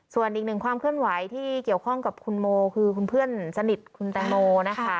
ส่วนอีกหนึ่งความเคลื่อนไหวที่เกี่ยวข้องกับคุณโมคือคุณเพื่อนสนิทคุณแตงโมนะคะ